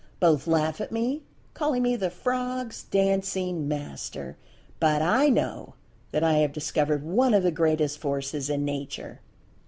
Both laugh at me, calling me the 'Frog's Dancing Master,' but I know[Pg 180] that I have discovered one of the greatest Forces in Nature."